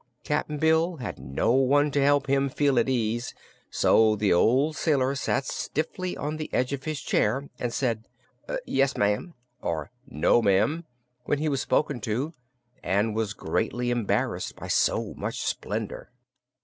Cap'n Bill had no one to help him feel at ease, so the old sailor sat stiffly on the edge of his chair and said: "Yes, ma'am," or "No, ma'am," when he was spoken to, and was greatly embarrassed by so much splendor.